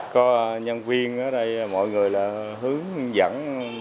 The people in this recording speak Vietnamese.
có nhân viên ở đây mọi người là hướng dẫn